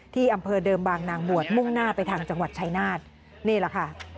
ที่อำเภอเดิมบางนางบวชมุ่งหน้าไปทางจังหวัดชายนาฏนี่แหละค่ะ